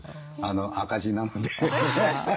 赤字なので。